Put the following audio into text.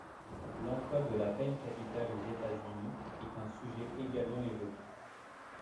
L'emploi de la peine capitale aux États-Unis est un sujet également évoqué.